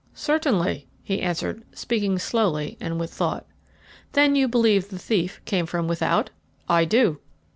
"Certainly," he answered, speaking slowly and with thought. "Then you believe the thief came from without?" "I do."